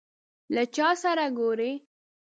له چا سره ګورې ؟